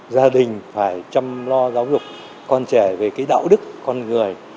gia đình phải chăm lo giáo dục con trẻ về cái đạo đức con người